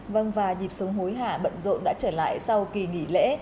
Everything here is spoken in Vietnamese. và dịp sống hối hả bận rộn đã trở lại sau kỳ nghỉ lễ